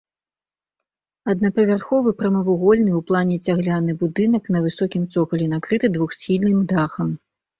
Аднапавярховы прамавугольны ў плане цагляны будынак на высокім цокалі, накрыты двухсхільным дахам.